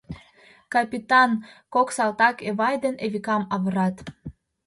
Капитан, кок салтак Эвай ден Эвикам авырат.